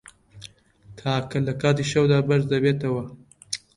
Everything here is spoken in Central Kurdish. تاکە له کاتی شەودا بەرز دەبێتەوه